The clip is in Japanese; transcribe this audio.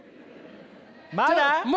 まだ？